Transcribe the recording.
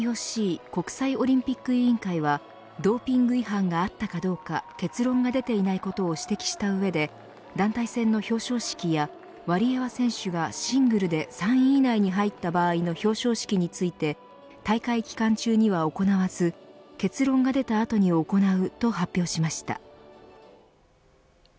ＩＯＣ国際オリンピック委員会はドーピング違反があったかどうか結論が出ていないことを指摘した上で団体戦の表彰式やワリエワ選手がシングルで３位以内に入った場合の表彰式について大会期間中には行わず結論が出たあとに行うと発表しました。